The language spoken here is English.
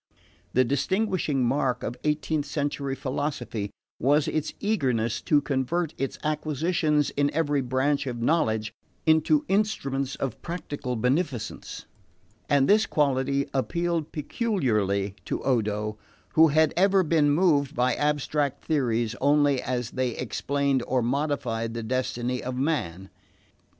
The distinguishing mark of eighteenth century philosophy was its eagerness to convert its acquisitions in every branch of knowledge into instruments of practical beneficence; and this quality appealed peculiarly to Odo, who had ever been moved by abstract theories only as they explained or modified the destiny of man.